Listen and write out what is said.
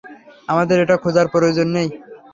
আমাদের এটা খুঁজার প্রয়োজন নেই।